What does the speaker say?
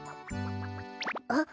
あっ！